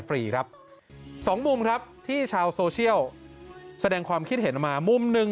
ฟรีครับสองมุมครับที่ชาวโซเชียลแสดงความคิดเห็นมามุมหนึ่ง